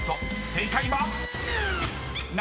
正解は⁉］